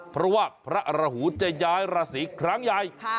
เพราะว่าพระราหูจะย้ายราศีครั้งใหญ่